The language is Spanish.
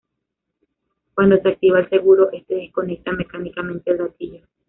Cuando se activa el seguro, este desconecta mecánicamente el gatillo.